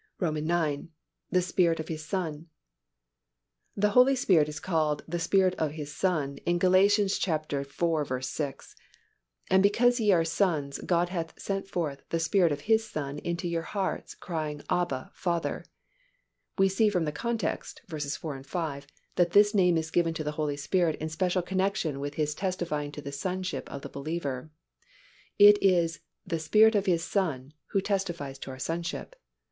IX. The Spirit of His Son. The Holy Spirit is called the Spirit of His Son in Gal. iv. 6, "And because ye are sons, God hath sent forth the Spirit of His Son into your hearts, crying, Abba, Father." We see from the context (vs. 4, 5) that this name is given to the Holy Spirit in special connection with His testifying to the sonship of the believer. It is "the Spirit of His Son" who testifies to our sonship.